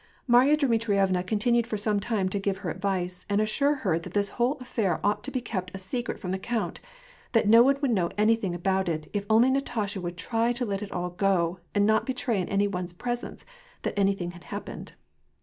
Marya Dmitrievna continued for some time to give her advice, and assure her that this whole affair ought to be kept a secret from the count ; that no one would know anything about it, if only Natasha would try to let it all go, and not betray in any one's presence that anything had happened.